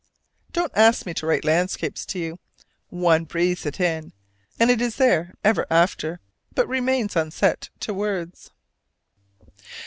Don't ask me to write landscape to you: one breathes it in, and it is there ever after, but remains unset to words.